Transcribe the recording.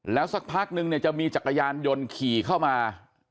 แล้วสักพักนึงเนี่ยจะมีจักรยานยนต์ขี่เข้ามา